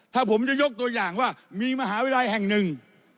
ถ้าผมจะยกตัวอย่างว่ามีมหาวิทยาลัยแห่งหนึ่ง